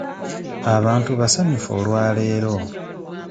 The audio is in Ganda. Abantu basanyufu olwa leero.